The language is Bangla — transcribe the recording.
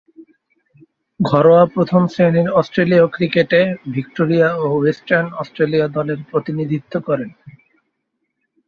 ঘরোয়া প্রথম-শ্রেণীর অস্ট্রেলীয় ক্রিকেটে ভিক্টোরিয়া ও ওয়েস্টার্ন অস্ট্রেলিয়া দলের প্রতিনিধিত্ব করেন।